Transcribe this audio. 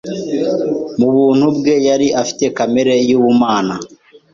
Mu bumuntu bwe, yari afite kamere y’ubumana.